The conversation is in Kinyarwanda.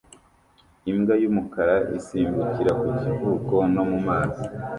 Imbwa y'umukara isimbukira ku kivuko no mu mazi